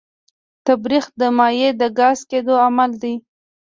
تبخیر د مایع د ګاز کېدو عمل دی.